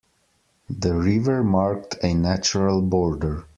The river marked a natural border.